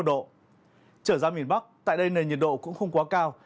trở ra miền bắc tại đây nền nhiệt độ cũng không quá cao